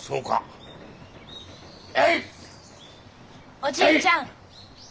おじいちゃん。